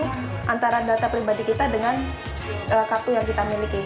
ini antara data pribadi kita dengan kartu yang kita miliki